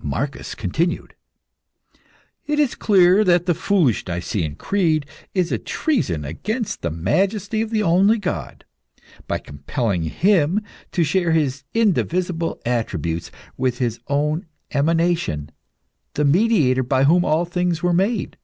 Marcus continued "It is clear that the foolish Nicene Creed is a treason against the majesty of the only God, by compelling Him to share His indivisible attributes with His own emanation the Mediator by whom all things were made.